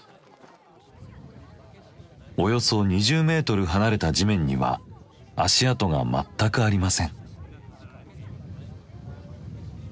およそ２０メートル離れた地面には足跡が全くありません。